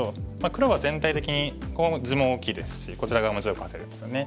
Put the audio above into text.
黒は全体的にここも地も大きいですしこちら側も地を稼いでますよね。